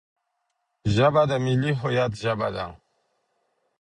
ژبه د ملي هویت ژبه ده